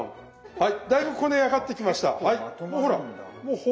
はい。